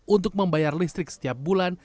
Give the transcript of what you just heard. untuk membayar listrik setiap bulan